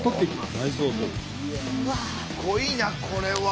すごいなこれは。